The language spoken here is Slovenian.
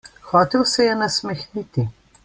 Hotel se je nasmehniti.